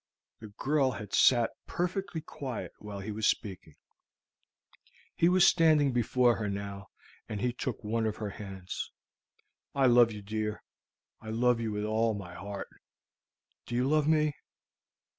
The girl had sat perfectly quiet while he was speaking. He was standing before her now, and he took one of her hands. "I love you, dear; I love you with all my heart. Do you love me?"